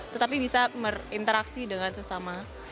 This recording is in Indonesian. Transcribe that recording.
tetapi bisa berinteraksi dengan sesama